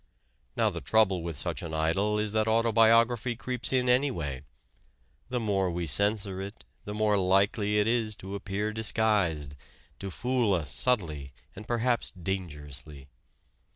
Now the trouble with such an idol is that autobiography creeps in anyway. The more we censor it, the more likely it is to appear disguised, to fool us subtly and perhaps dangerously.